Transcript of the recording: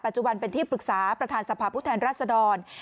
จุบันเป็นที่ปรึกษาประธานสภาพผู้แทนรัศดร